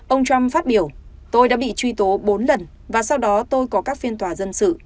ông trump phát biểu